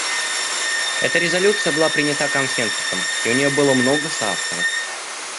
Эта резолюция была принята консенсусом, и у нее было много соавторов.